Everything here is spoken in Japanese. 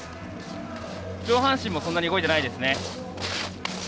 上半身もそんなに動いてないです。